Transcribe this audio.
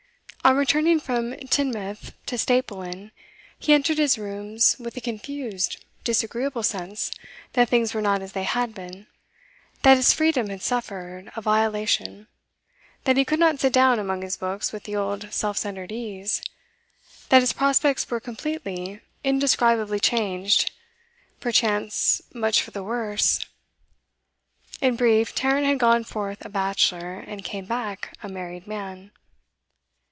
On returning from Teignmouth to Staple Inn he entered his rooms with a confused, disagreeable sense that things were not as they had been, that his freedom had suffered a violation, that he could not sit down among his books with the old self centred ease, that his prospects were completely, indescribably changed, perchance much for the worse. In brief, Tarrant had gone forth a bachelor, and came back a married man.